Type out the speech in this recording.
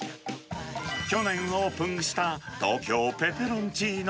去年オープンした東京ペペロンチーノ。